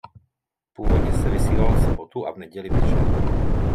Původně se vysílal v sobotu a v neděli večer.